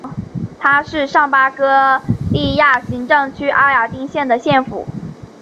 它是上巴伐利亚行政区埃尔丁县的县府。